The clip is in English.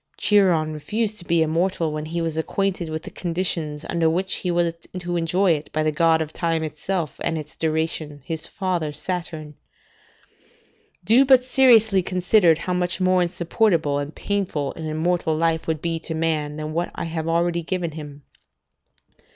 Chiron refused to be immortal, when he was acquainted with the conditions under which he was to enjoy it, by the god of time itself and its duration, his father Saturn. Do but seriously consider how much more insupportable and painful an immortal life would be to man than what I have already given him.